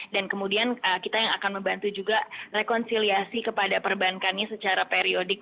dan kemudian kita yang akan membantu juga rekonsiliasi kepada perbankannya secara periodik